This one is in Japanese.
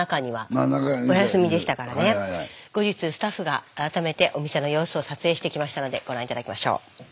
後日スタッフが改めてお店の様子を撮影してきましたのでご覧頂きましょう。